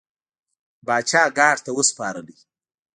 پاچا ګارد ته وسپارلې.